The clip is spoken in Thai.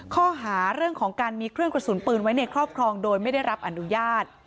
ข้อหาเรื่องของการมีเครื่องกระสุนปืนไว้ในครอบครองโดยไม่ได้รับอนุญาต